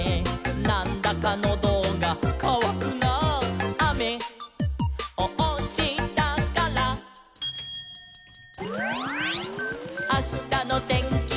「『なんだかノドがかわくなあ』」「あめをおしたから」「あしたのてんきは」